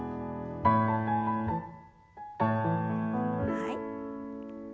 はい。